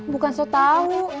bukan so tau